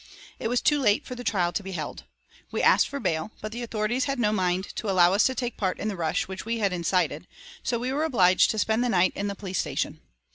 It was too late for the trial to be held. We asked for bail, but the authorities had no mind to allow us to take part in the "rush" which we had incited, so we were obliged to spend the night in the police station.